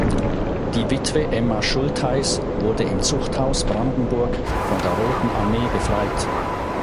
Die Witwe Emma Schultheis wurde im Zuchthaus Brandenburg von der Roten Armee befreit.